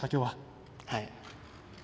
はい。